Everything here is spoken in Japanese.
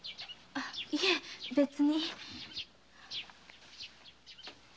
いえ別に。